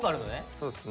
そうですね。